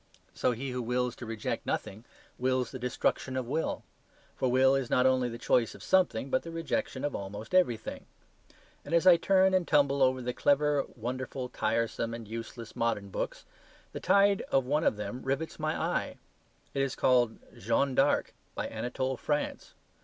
So he who wills to reject nothing, wills the destruction of will; for will is not only the choice of something, but the rejection of almost everything. And as I turn and tumble over the clever, wonderful, tiresome, and useless modern books, the title of one of them rivets my eye. It is called "Jeanne d'Arc," by Anatole France.